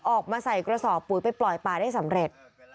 ออกมาใส่กระสอบปุ๋ยไปปล่อยป่าได้สำเร็จ